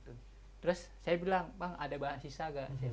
terus saya bilang bang ada bahan sisa gak